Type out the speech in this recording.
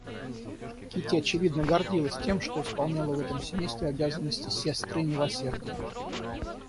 Кити, очевидно, гордилась тем, что исполняла в этом семействе обязанности сестры милосердия.